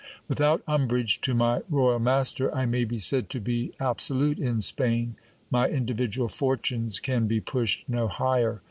Without umbrage to my royal master, I may be said to be absolute in Spain. My individual fortunes can be pushed no higher.